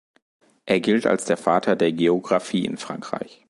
Er gilt als der Vater der Geographie in Frankreich.